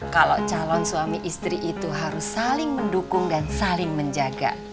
kalau calon suami istri itu harus saling mendukung dan saling menjaga